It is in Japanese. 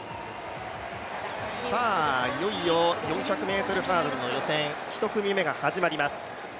いよいよ４００ｍハードルの予選１組目が始まります。